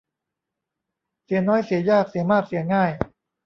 เสียน้อยเสียยาก เสียมากเสียง่าย